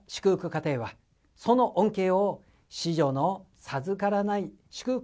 家庭は、その恩恵を子女の授からない祝福